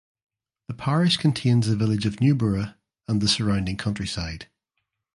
The parish contains the village of Newborough and the surrounding countryside.